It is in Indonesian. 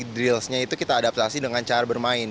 drills nya itu kita adaptasi dengan cara bermain